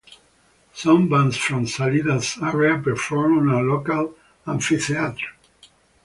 Some bands from Salida's area perform on a local amphitheater.